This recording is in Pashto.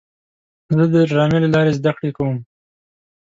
زه د ډرامې له لارې زده کړه کوم.